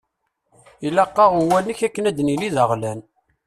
Ilaq-aɣ Uwanek akken ad nili d aɣlan.